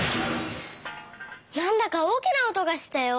・なんだかおおきなおとがしたよ。